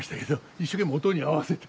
一生懸命音に合わせて。